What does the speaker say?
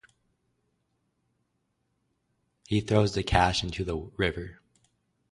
He throws the cache into the river.